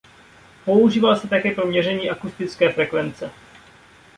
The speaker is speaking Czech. Používal se také pro měření akustické frekvence.